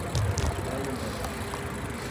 Belo Monte